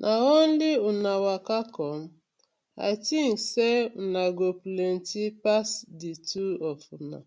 Na only una waka com? I tink say una go plenty pass di two of una.